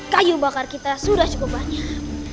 kayu bakar kita sudah cukup banyak